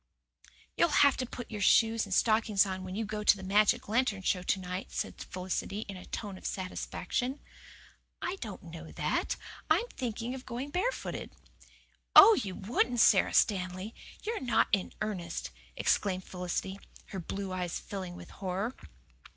"You'll have to put your shoes and stockings on when you go to the magic lantern show to night," said Felicity in a tone of satisfaction. "I don't know that. I'm thinking of going barefooted." "Oh, you wouldn't! Sara Stanley, you're not in earnest!" exclaimed Felicity, her blue eyes filling with horror.